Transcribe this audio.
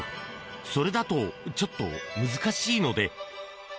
それだとちょっと難しいので。